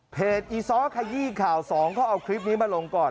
เพจอีซ้อคยีข่าว๒เขาเอาคลิปนี้มาลงก่อน